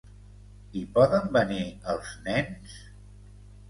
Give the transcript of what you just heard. Hi poden venir els nens?